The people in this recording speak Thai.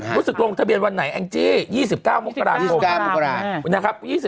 รู้สึกลงทะเบียนวันไหนแอ้งจี้๒๙มกราคม